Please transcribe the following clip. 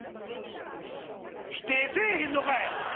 否定せえへんのかい！